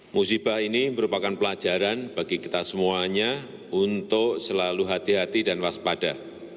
musibah ini merupakan pelajaran bagi kita semuanya untuk selalu hati hati dan waspada